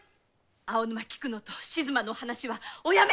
青沼菊乃と静馬の話はおやめ！